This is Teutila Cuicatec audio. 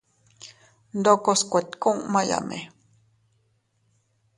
Ndokos kuetkumayame.